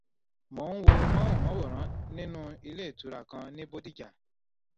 Mo ń wo móhùnmáwòrán nínú ilé ìtura kan ní Bódìjà.